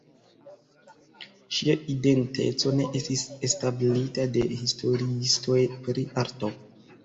Ŝia identeco ne estis establita de historiistoj pri arto.